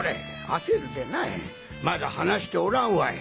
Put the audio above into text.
焦るでないまだ話しておらんわい。